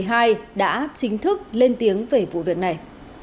cụ thể ubnd quận một mươi hai đã chính thức lên tiếng về vụ việc này